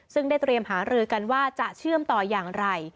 ซึ่งได้เตรียมหารือกันว่าจะเชื่อมต่ออย่างไร